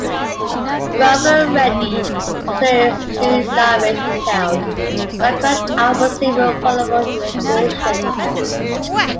"Ruff and Reddy" also eschewed lavish, detailed background art for simple, colorful illustrations.